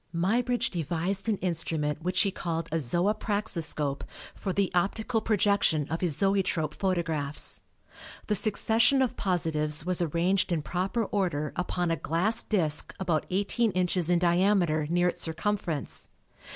Muybridge devised an instrument which he called a Zoopraxiscope for the optical projection of his zoetrope photographs. The succession of positives was arranged in proper order upon a glass disk about 18 inches in diameter near its circumference.